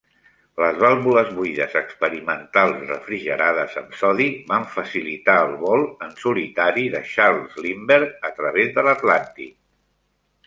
Les vàlvules buides experimentals refrigerades amb sodi van facilitar el vol en solitari de Charles Lindbergh a través de l'Atlàntic.